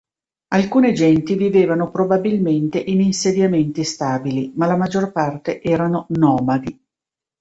Alcune genti vivevano probabilmente in insediamenti stabili, ma la maggior parte erano nomadi.